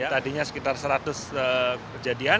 tadinya sekitar seratus kejadian